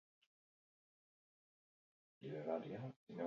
Ez nintzen bakartia, baina bakardadea bilatzen nuen askotan.